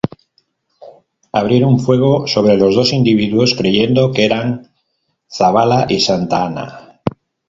Abrieron fuego sobre los dos individuos creyendo que eran Zavala y Santa Anna.